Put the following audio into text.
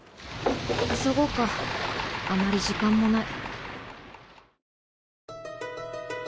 急ごうかあまり時間もない。